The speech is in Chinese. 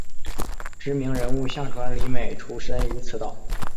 知名人物夏川里美出身于此岛。